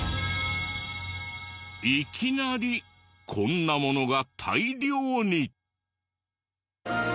いきなりこんなものが大量に。